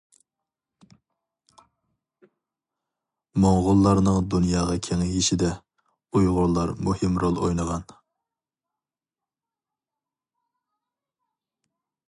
موڭغۇللارنىڭ دۇنياغا كېڭىيىشىدە، ئۇيغۇرلار مۇھىم رول ئوينىغان .